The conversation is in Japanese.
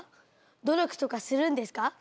努力とかするんですか？